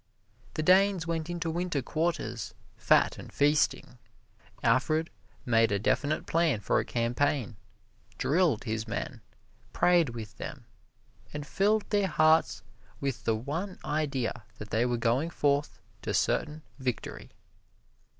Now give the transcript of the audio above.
The Danes went into winter quarters, fat and feasting. Alfred made a definite plan for a campaign, drilled his men, prayed with them, and filled their hearts with the one idea that they were going forth to certain victory.